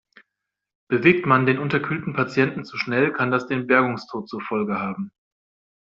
Bewegt man den unterkühlten Patienten zu schnell, kann das den Bergungstod zur Folge haben.